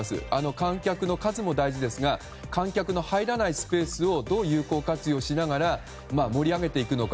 観客の数も大事ですが観客の入らないスペースをどう有効活用しながら盛り上げていくのか